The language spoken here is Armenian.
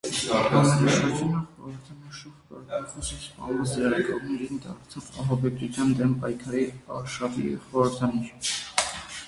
Համերաշխությունը խորհրդանշող կարգախոսը՝ սպանված լրագրողներով, դարձավ ահաբեկչության դեմ պայքարի արշավի խորհրդանիշը։